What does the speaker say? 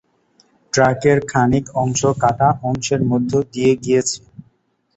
ট্র্যাকের খানিক অংশ কাটা অংশের মধ্যে দিয়ে গিয়েছে।